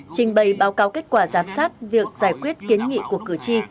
trình bày báo cáo kết quả giám sát việc giải quyết kiến nghị của cử tri